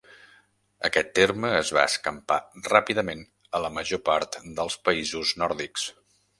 Aquest terme es va escampar ràpidament a la major part dels països nòrdics.